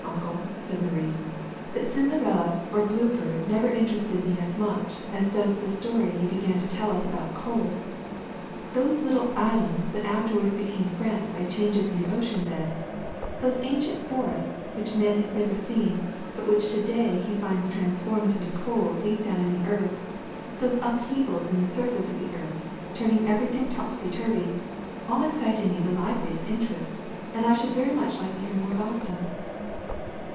Uncle," said Marie, "that Cin derella or Bluebeard never interested me as does the story you began to tell us about coal. Those little islands that afterw^ard became France by changes in the ocean bed, those ancient forests which man has never seen, but which to day he finds transformed into coal deep doA\m in the earth, those upheavals in the surface of the earth, turning ever^^thing topsy turvy, all excite In me the liveliest interest^ and I }19 120 THE SECRET OF EVERYDAY THINGS should very much like to hear more about them."